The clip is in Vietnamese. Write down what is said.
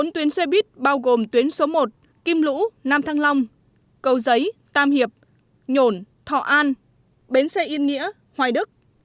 bốn tuyến xe buýt bao gồm tuyến số một kim lũ nam thăng long cầu giấy tam hiệp nhổn thọ an bến xe yên nghĩa hoài đức